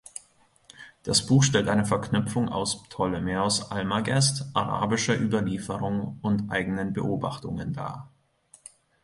Das Buch stellt eine Verknüpfung aus Ptolemäus' Almagest, arabischer Überlieferung und eigenen Beobachtungen dar.